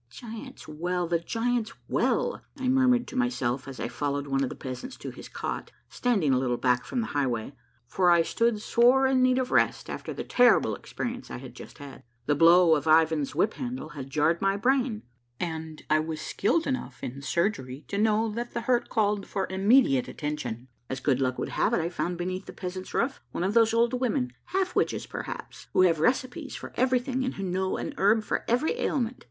"The Giants' Well, the Giants' Well!" I murmured to my self as I followed one of the peasants to his cot, standing a little back from the highway, for I stood sore in need of rest after the terrible experience I had just had. The blow of Ivan's whip handle had jarred my brain, and I was skilled enough in surgery to know that the hurt called for immediate attention. As good luck would have it, I found beneath the peasant's roof one of those old women, half witches perhaps, who have recipes for everything and who know an herb for every ailment.